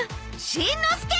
しんのすけ！